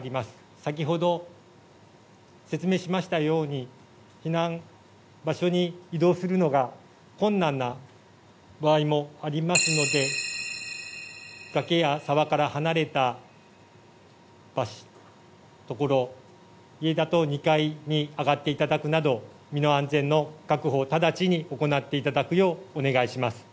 先ほど説明しましたように避難場所に移動するのが困難な場合もありますので崖や沢から離れたところ家だと２階に上がっていただくなど身の安全の確保を直ちに行っていただくようお願いします。